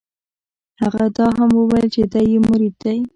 هغه دا هم وویل چې دی یې مرید دی.